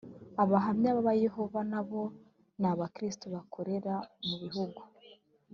abahamya ba yehova na bo ni abakristo bakorera mu bihugu